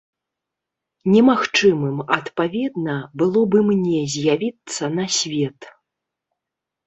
Немагчымым, адпаведна, было б і мне з'явіцца на свет.